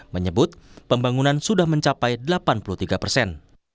menyebut pembangunan sudah mencapai delapan puluh tiga persen